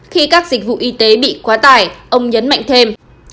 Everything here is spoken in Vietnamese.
khi các dịch vụ y tế bị quá tải ông nhấn mạnh thêm